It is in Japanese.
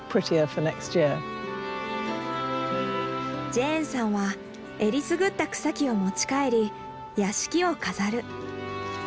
ジェーンさんはえりすぐった草木を持ち帰り屋敷を飾る。